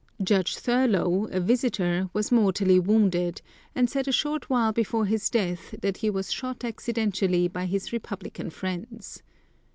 Judge Thurlow, a visitor, was mortally wounded, and said a short while before his death that he was shot accidentally by his Republican friends.